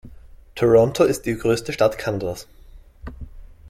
Toronto ist die größte Stadt Kanadas.